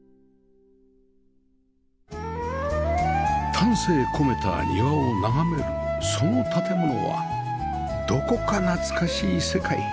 丹精込めた庭を眺めるその建物はどこか懐かしい世界